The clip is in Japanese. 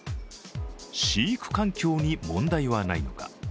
飼育環境に問題はないのか。